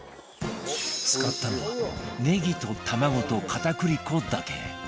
使ったのはねぎと卵と片栗粉だけ